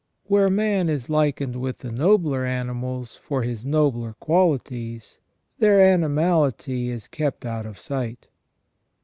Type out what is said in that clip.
Where man is likened with the nobler animals for his nobler qualities, their animality is kept out of sight.